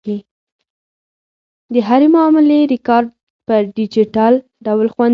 د هرې معاملې ریکارډ په ډیجیټل ډول خوندي کیږي.